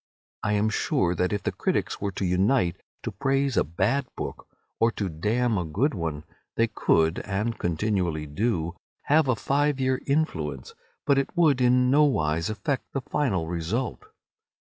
I am sure that if the critics were to unite to praise a bad book or to damn a good one they could (and continually do) have a five year influence, but it would in no wise affect the final result.